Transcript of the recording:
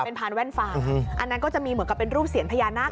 เป็นพานแว่นฟ้าอันนั้นก็จะมีเหมือนกับเป็นรูปเสียญพญานาค